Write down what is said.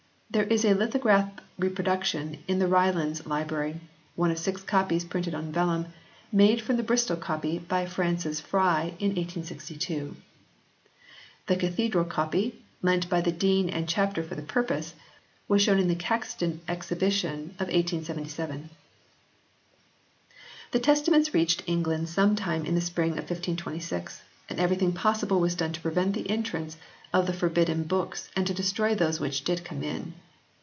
There is a lithographed reproduction in the Ryland s Library, one of six copies printed on vellum, made from the Bristol copy by Francis Fry in 1862. The Cathedral copy, lent by the Dean and Chapter for the purpose, was shown in the Caxton Exhibition of 1877. The Testaments reached England some time in the spring of 1526, and everything possible was done to prevent the entrance of the forbidden books and to destroy those which did come in.